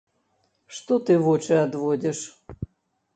Што ты вочы адводзіш?